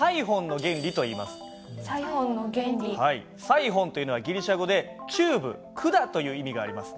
サイホンというのはギリシャ語でチューブ管という意味があります。